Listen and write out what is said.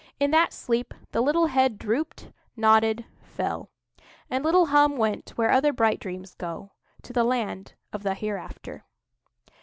In that sleep the little head drooped—nodded—fell; and little Hum went where other bright dreams go—to the Land of the Hereafter.